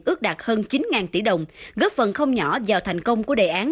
ước đạt hơn chín tỷ đồng góp phần không nhỏ vào thành công của đề án